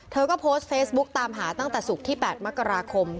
เธอก็โพสต์เฟซบุ๊กตามหาตั้งแต่ศุกร์ที่๘มกราคม